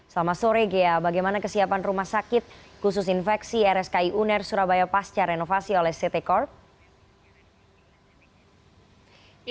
selamat sore ghea bagaimana kesiapan rumah sakit khusus infeksi rski uner surabaya pasca renovasi oleh ct corp